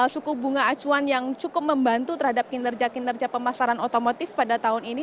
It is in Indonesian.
suku bunga acuan yang cukup membantu terhadap kinerja kinerja pemasaran otomotif pada tahun ini